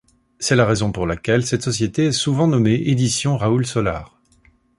C'est la raison pour laquelle cette société est souvent nommée Éditions Raoul Solar.